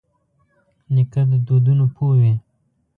نیکه د دودونو پوه وي.